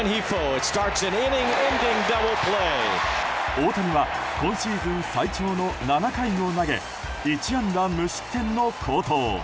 大谷は今シーズン最長の７回を投げ１安打無失点の好投。